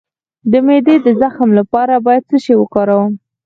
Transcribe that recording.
د معدې د زخم لپاره باید څه شی وکاروم؟